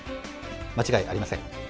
間違いありません。